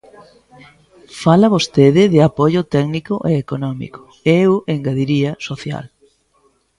Fala vostede de apoio técnico e económico, e eu engadiría social.